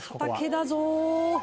「畑だぞ」